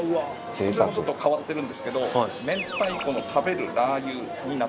こちらもちょっと変わってるんですけど明太子の食べるラー油になってます。